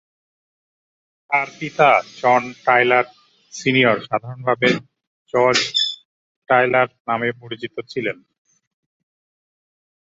তার পিতা John Tyler Senior সাধারণভাবে জজ টাইলার নামে পরিচিত ছিলেন।